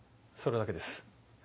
それだけです。